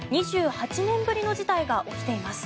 ２８年ぶりの事態が起きています。